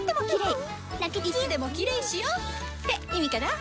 いつでもキレイしよ！って意味かな！